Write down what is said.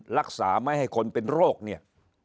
รักษาไม่ให้คนเป็นโรคเนี่ย